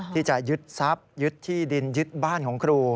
ที่จะยึดทรัพย์ยึดที่ดินยึดบ้านของครู